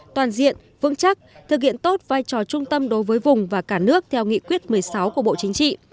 toàn diện vững chắc thực hiện tốt vai trò trung tâm đối với vùng và cả nước theo nghị quyết một mươi sáu của bộ chính trị